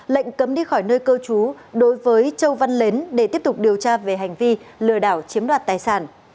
lệnh cấm đi khỏi nơi cơ chú đối với châu văn lến để tiếp tục điều tra về hành vi lừa đảo chiếm đoạt tài sản